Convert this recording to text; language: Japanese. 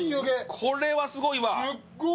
これはすごいわ。